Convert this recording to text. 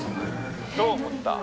「どう思った？